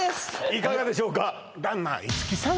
いかがでしょうか？